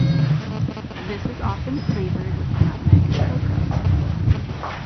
This is often flavoured with nutmeg and cocoa.